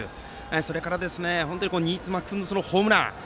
それから新妻君のホームラン。